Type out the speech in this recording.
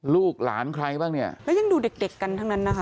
ลูกหลานใครบ้างเนี่ยแล้วยังดูเด็กเด็กกันทั้งนั้นนะคะ